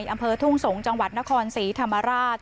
อำเภอทุ่งสงศ์จังหวัดนครศรีธรรมราช